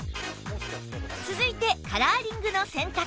続いてカラーリングの選択